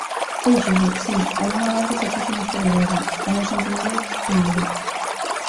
Fíxose, si, algún avance se fixo neste goberno; ao noso entender, tímido.